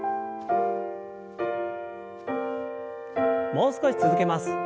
もう少し続けます。